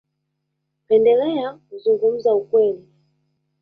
Pendelea kuzungumza ukweli.